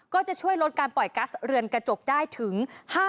ก็จะช่วยลดการปล่อยกัสเรือนกระจกได้ถึง